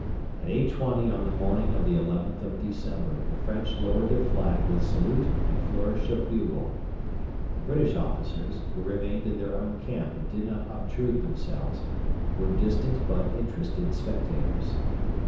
At 8.20 on the morning of the 11th of December the French lowered their flag with salute and flourish of bugle. The British officers, who remained in their own camp and did not obtrude themselves, were distant but interested spectators.